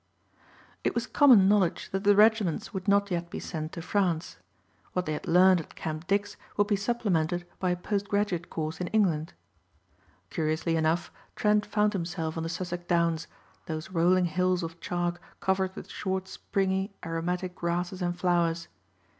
It was common knowledge that the regiments would not yet be sent to France. What they had learned at Camp Dix would be supplemented by a post graduate course in England. Curiously enough Trent found himself on the Sussex Downs, those rolling hills of chalk covered with short springy aromatic grasses and flowers.